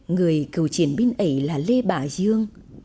người cựu chiến binh ấy là lê bả dương